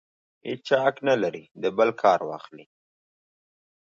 هېچا حق نه لري د بل کار واخلي.